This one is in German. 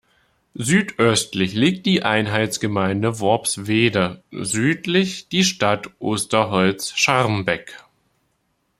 Südöstlich liegt die Einheitsgemeinde Worpswede, südlich die Stadt Osterholz-Scharmbeck.